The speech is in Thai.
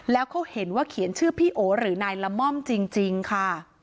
แล้วเขาเห็นว่าเขียนชื่อพี่โอหรือนายละม่อมจริงค่ะ